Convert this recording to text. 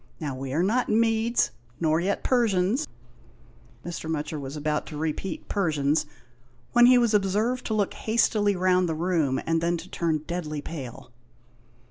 Now we are not Medes, nor yet Persians" — Mr. Mutcher was about to repeat " Persians " when he was observed to look hastily round the room and then to turn deadly pale.